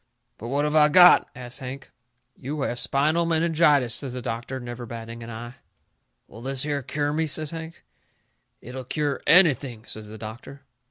"But what have I got?" asts Hank. "You have spinal meningitis," says the doctor, never batting an eye. "Will this here cure me?" says Hank. "It'll cure ANYTHING," says the doctor.